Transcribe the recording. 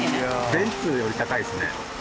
ベンツより高いですね。